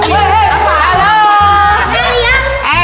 udah sekarang bukain cepet cepet